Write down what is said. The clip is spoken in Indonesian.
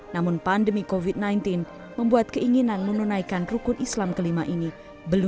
namun pandemi covid sembilan belas membuat keinginan menunaikan rukun islam kembali